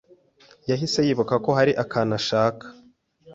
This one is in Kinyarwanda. yahise yibuka ko hari akantu ashaka